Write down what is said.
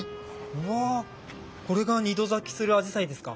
うわこれが２度咲きするアジサイですか。